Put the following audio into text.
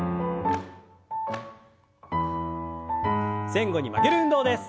前後に曲げる運動です。